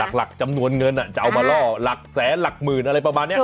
หลักจำนวนเงินจะเอามาล่อหลักแสนหลักหมื่นอะไรประมาณนี้